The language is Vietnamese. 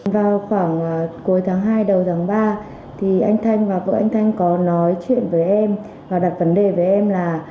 vào khoảng cuối tháng hai đầu tháng ba thì anh thanh và vợ anh thanh có nói chuyện với em và đặt vấn đề với em là